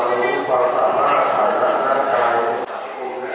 การพุทธศักดาลัยเป็นภูมิหลายการพุทธศักดาลัยเป็นภูมิหลาย